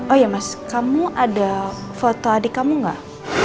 oh iya mas kamu ada foto adik kamu gak